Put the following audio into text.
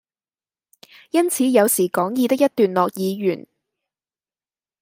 因此有時講義的一段落已完，